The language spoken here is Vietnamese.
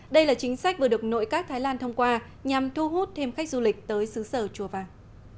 đây là chính sách vừa được nội các thái lan thông qua nhằm thu hút thêm khách du lịch tới xứ sở chùa vàng